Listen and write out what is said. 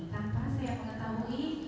tanpa saya mengetahui